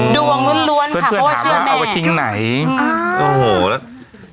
ดวงล้วนค่ะเพราะเชื่อแม่เพื่อนถามว่าเอาไว้ทิ้งไหน